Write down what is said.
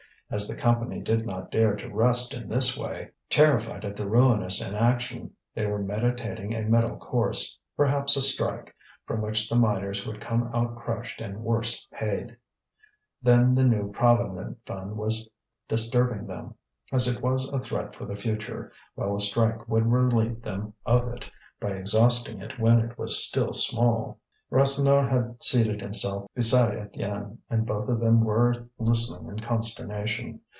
As the Company did not dare to rest in this way, terrified at the ruinous inaction, they were meditating a middle course, perhaps a strike, from which the miners would come out crushed and worse paid. Then the new Provident Fund was disturbing them, as it was a threat for the future, while a strike would relieve them of it, by exhausting it when it was still small. Rasseneur had seated himself beside Étienne, and both of them were listening in consternation.